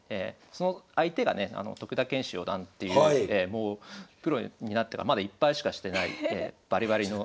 その相手がね徳田拳士四段っていうプロになってからまだ１敗しかしてないバリバリの。